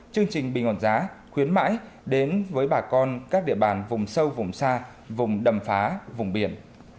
chương trình bình ổn giá khuyến mãi đến với bà con các địa bàn vùng sâu vùng xa vùng đầm phá vùng biển